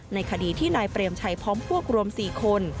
ในคดีที่นายเปรียมใช้พร้อมพวกรวมสี่คน